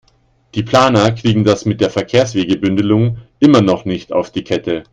Die Planer kriegen das mit der Verkehrswegebündelung immer noch nicht auf die Kette.